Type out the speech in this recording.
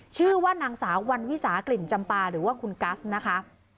ชื่อว่านางสาววันวิสากลิ่นจำปาหรือว่าคุณกัสนะคะ